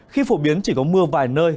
khi phổ biến chỉ có mưa vài nơi